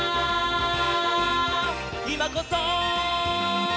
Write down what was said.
「いまこそ！」